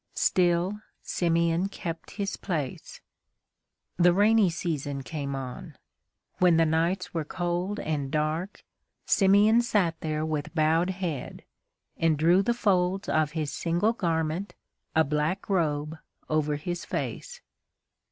Still Simeon kept his place. The rainy season came on. When the nights were cold and dark, Simeon sat there with bowed head, and drew the folds of his single garment, a black robe, over his face.